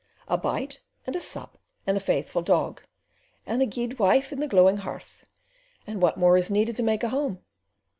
A bite and a sup and a faithful dog, and a guidwife by a glowing hearth, and what more is needed to make a home.